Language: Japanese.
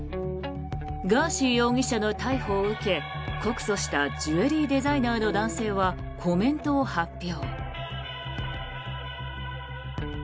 ガーシー容疑者の逮捕を受け告訴したジュエリーデザイナーの男性はコメントを発表。